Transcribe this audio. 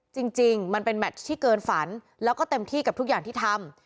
จริงมันเป็นแมทที่เกินฝันแล้วก็เต็มที่กับทุกอย่างที่ทำ